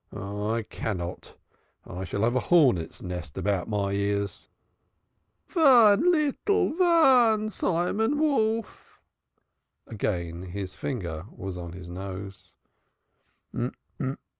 "I cannot. I shall have a hornet's nest about my ears." "Von leedle von, Simon Wolf!" Again his finger was on his nose.